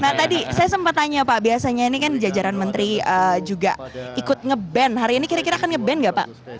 nah tadi saya sempat tanya pak biasanya ini kan jajaran menteri juga ikut nge ban hari ini kira kira akan nge ban gak pak